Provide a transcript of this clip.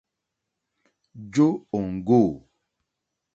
Jó òŋɡô.